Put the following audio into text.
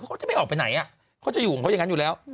เขาจะไม่ออกไปไหนเขาจะอยู่ของเขาอย่างนั้นอยู่แล้ว